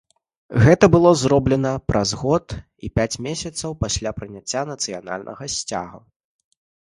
Гэта было зроблена праз год і пяць месяцаў пасля прыняцця нацыянальнага сцяга.